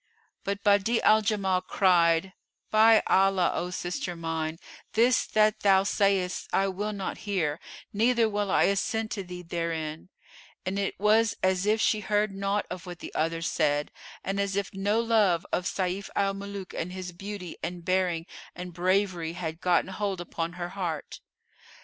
But Badi'a al Jamal cried, "By Allah, O sister mine, this that thou sayest I will not hear, neither will I assent to thee therein;" and it was as if she heard naught of what the other said and as if no love of Sayf al Muluk and his beauty and bearing and bravery had gotten hold upon her heart.